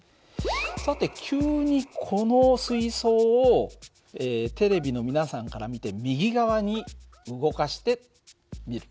さて急にこの水そうをテレビの皆さんから見て右側に動かしてみる。